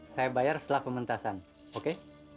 saya bayar setelah pementasan oke